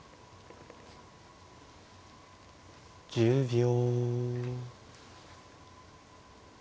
１０秒。